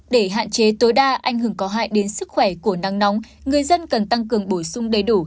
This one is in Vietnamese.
để hạn chế tối đa ảnh hưởng có hại đến sức khỏe của nắng nóng người dân cần tăng cường bổ sung đầy đủ